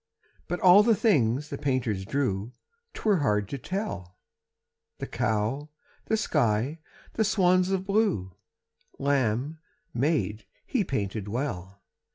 But all the things the painter drew 'Twere hard to tell The cow, the sky, the swans of blue, Lamb, maid, he painted well.